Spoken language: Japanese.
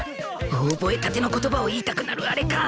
覚えたての言葉を言いたくなるあれか？